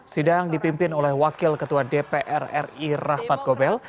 sidang dipimpin oleh wakil ketua dpr ri rahmat gobel